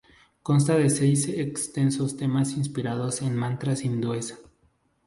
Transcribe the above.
Consta de seis extensos temas inspirados en mantras hindúes.